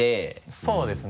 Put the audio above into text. そうですね。